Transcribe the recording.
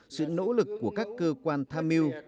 sự nỗ lực của các cơ quan tham mưu